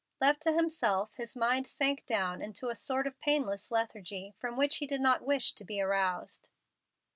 Left to himself, his mind sank down into a sort of painless lethargy, from which he did not wish to be aroused.